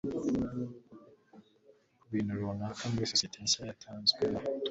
kubintu runaka muri societe nshya yatanzwe yatwara